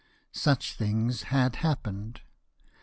Such things had happened.